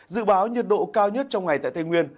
dự báo nhiệt độ cao nhất trong ngày tại tây nguyên